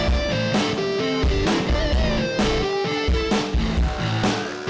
terima kasih pak